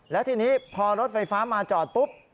แล้วทีนี้พอรถไฟฟ้ามาจอดปุ๊บ